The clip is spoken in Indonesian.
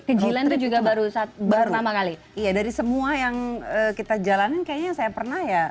ke jilan itu juga baru pertama kali iya dari semua yang kita jalanin kayaknya saya pernah ya